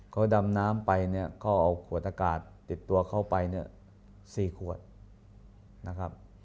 เขาดำน้ำไปเนี่ยเขาเอาขวดอากาศติดตัวเข้าไปเนี่ย๔ขวดนะครับ